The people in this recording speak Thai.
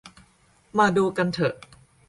มาดูกันเถอะ